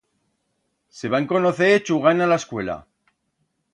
Se van conocer chugand a la escuela.